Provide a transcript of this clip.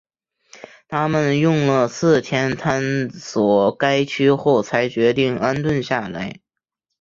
他们用了四天探索该区后才决定安顿下来。